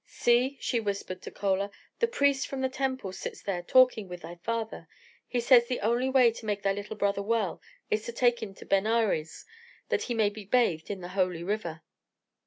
"See," she whispered to Chola, "the priest from the temple sits there talking with thy father. He says the only way to make thy little brother well is to take him to Benares, that he may be bathed in the holy river."